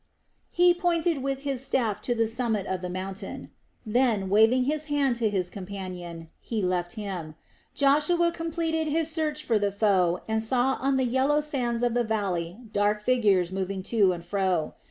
He pointed with his staff to the summit of the mountain. Then, waving his hand to his companion, he left him. Joshua completed his search for the foe and saw on the yellow sands of the valley dark figures moving to and fro.